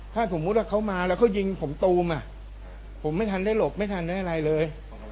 ถ้าสมมุติว่าเขามาแล้วเขายิงผมตูมผมไม่ทันได้หลบไม่ทันได้อะไรเลย